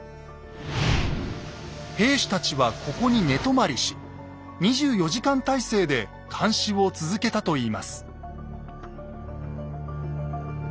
兵士たちはここに寝泊まりし２４時間体制で監視を続けたといいます。